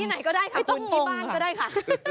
ไหนก็ได้ค่ะคุณที่บ้านก็ได้ค่ะ